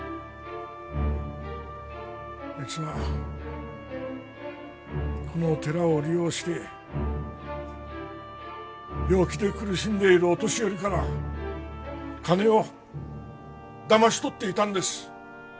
あいつはこの寺を利用して病気で苦しんでいるお年寄りから金をだまし取っていたんです！